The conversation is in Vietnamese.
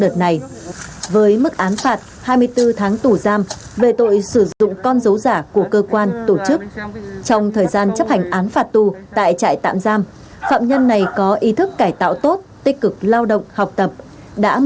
phạm nhân nguyễn hữu hoàng phạm nhân nguyễn hữu hoàng